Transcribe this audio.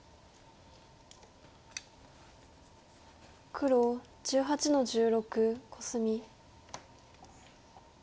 黒１８の十六コスミ。